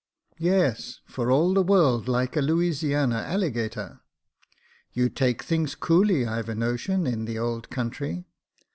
" Yes, for all the world like a Louisiana alligator. You take things coolly, I've a notion, in the old country.